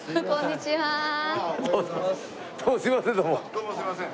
どうもすいません。